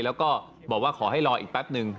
แล้วก็บอกว่าขอให้รออีกแป๊บนึง